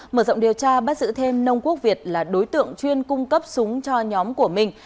mở rộng điều tra bắt giữ thêm nông quốc việt là đối tượng chuyên cung cấp súng cho nhóm của minh